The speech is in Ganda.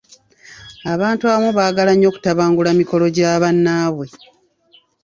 Abantu abamu bagala nnyo kutabangula emikolo gya bannaabwe.